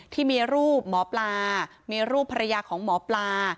ที่มีรูปหมอปลามีรูปภรรยาของหมอปลา